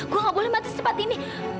gue nggak boleh mati sempat ini